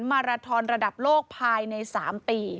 มาราทอนระดับโลกภายใน๓ปี